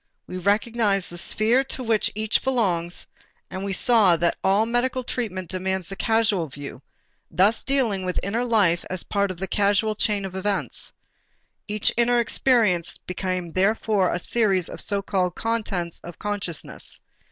We recognized the sphere to which each belongs and we saw that all medical treatment demands the causal view, thus dealing with inner life as part of the causal chain of events. Each inner experience became therefore a series of so called contents of consciousness.